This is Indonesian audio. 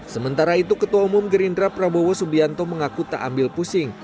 sementara itu ketua umum gerindra prabowo subianto mengaku tak ambil pusing